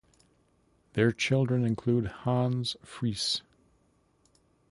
Their children included Hans Friis.